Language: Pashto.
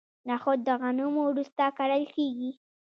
نخود د غنمو وروسته کرل کیږي.